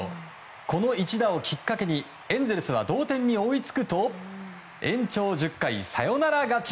この一打をきっかけにエンゼルスは同点に追いつくと延長１０回、サヨナラ勝ち。